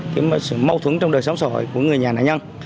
kiếm sự mâu thuẫn trong đời sống sổ hội của người nhà nạn nhân